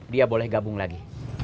dia boleh gabung lagi